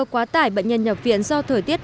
quá tải bệnh nhân nhập viện do thời tiết